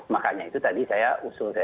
makanya itu tadi saya usul saya